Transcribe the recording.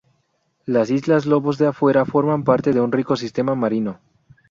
Las islas Lobos de Afuera forman parte de un rico sistema marino.